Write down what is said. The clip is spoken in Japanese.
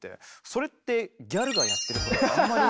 それってギャルがやってることとあんまり。